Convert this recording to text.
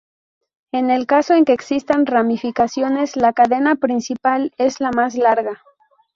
En el caso en que existan ramificaciones, la cadena principal es la más larga.